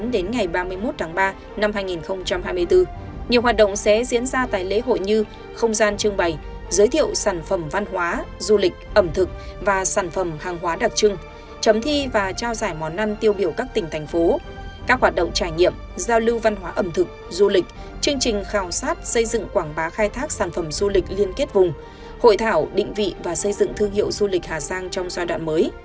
hai mươi chín đến ngày ba mươi một tháng ba năm hai nghìn hai mươi bốn nhiều hoạt động sẽ diễn ra tại lễ hội như không gian trưng bày giới thiệu sản phẩm văn hóa du lịch ẩm thực và sản phẩm hàng hóa đặc trưng chấm thi và trao giải món ăn tiêu biểu các tỉnh thành phố các hoạt động trải nghiệm giao lưu văn hóa ẩm thực du lịch chương trình khảo sát xây dựng quảng bá khai thác sản phẩm du lịch liên kết vùng hội thảo định vị và xây dựng thương hiệu du lịch hà giang trong giai đoạn mới